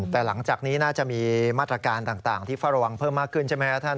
แต่หลังจากนี้น่าจะมีมาตรการต่างที่เฝ้าระวังเพิ่มมากขึ้นใช่ไหมครับท่าน